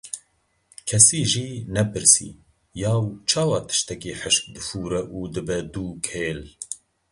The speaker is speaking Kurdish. Kesî jî nepirsî, yaw çawa tiştekî hişk difûre û dibe dûkêl.